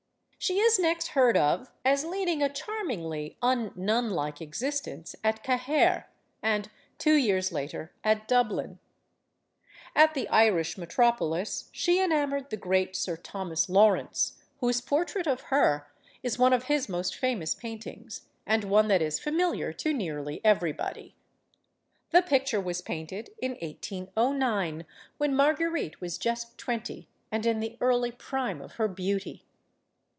She is next heard of as leading a charmingly un nun like existence at Cahair, and, two years later, at Dub lin. At the Irish metropolis, she enamored the great Sir Thomas Lawrence, whose portrait of her is one of his most famous paintings, and one that is familiar to nearly everybody. The picture was painted in 1 809 when Marguerite was just twenty and in the early prime of her beauty.